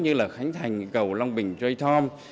như là khánh thành cầu long bình tray tom